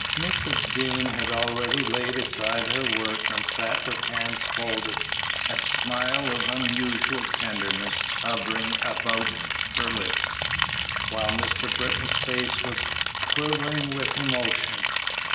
Mrs. Dean had already laid aside her work and sat with hands folded, a smile of unusual tenderness hovering about her lips, while Mr. Britton's face was quivering with emotion.